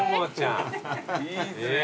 いいっすね。